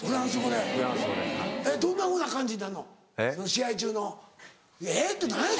試合中の「え？」って何や！